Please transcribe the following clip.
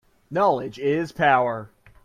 Knowledge is power.